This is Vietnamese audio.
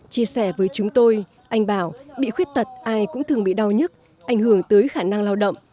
chia sẻ với chúng tôi anh bảo bị khuyết tật ai cũng thường bị đau nhức ảnh hưởng tới khả năng lao động